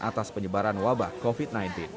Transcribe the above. atas penyebaran wabah covid sembilan belas